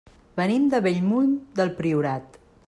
Venim de Bellmunt del Priorat.